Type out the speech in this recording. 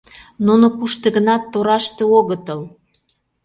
— Нуно кушто-гынат тораште огытыл.